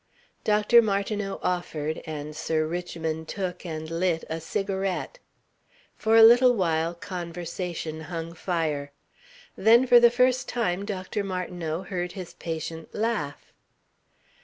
Dr. Martineau offered and Sir Richmond took and lit a cigarette. For a little while conversation hung fire. Then for the first time Dr. Martineau heard his patient laugh.